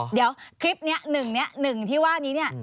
เดี๋ยวคลิปนี้หนึ่งนี้หนึ่งที่ว่านี้